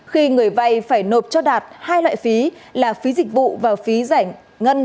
khi người vay phải nộp cho đạt hai loại phí là phí dịch vụ và phí giải ngân